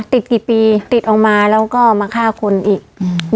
ติดกี่ปีติดออกมาแล้วก็มาฆ่าคนอีกอืม